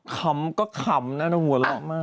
ขำก็ขำหน้าหนูหัวร้อนมาก